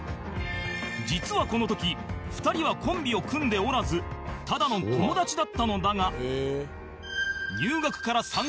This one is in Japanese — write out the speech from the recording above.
実はこの時２人はコンビを組んでおらずただの友達だったのだが